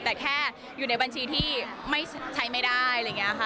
แต่แค่อยู่ในบัญชีที่ใช้ไม่ได้